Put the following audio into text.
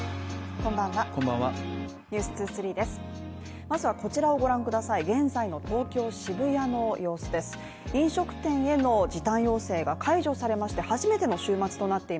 こんばんは「ｎｅｗｓ２３」ですまずはこちらをご覧ください